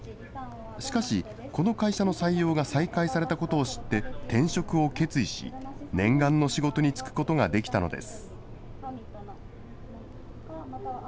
しかしこの会社の採用が再開されたことを知って、転職を決意し、念願の仕事に就くことができたのです。